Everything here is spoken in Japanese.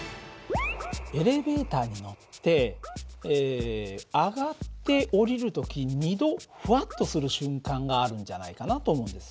エレベーターに乗って上がって下りる時２度ふわっとする瞬間があるんじゃないかなと思うんです。